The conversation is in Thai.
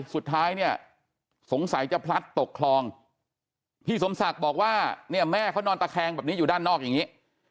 สุดท้ายเนี่ยสงสัยจะพลัดตกคลองพี่สมศักดิ์บอกว่าเนี่ยแม่เขานอนตะแคงแบบนี้อยู่ด้านนอกอย่างนี้